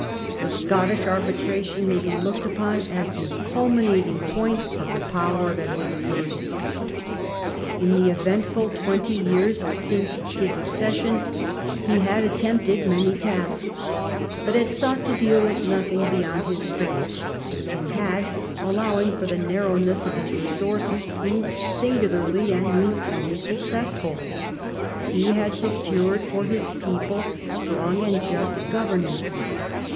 The Scottish arbitration may be looked upon as the culminating point of the power of Edward I. In the eventful twenty years since his accession he had attempted many tasks, but had sought to deal with nothing beyond his strength, and had, allov/ing for the narrowness of his resources, proved singularly and uni formly successful. He had secured for his people strong and just governance.